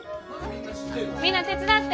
みんな手伝って。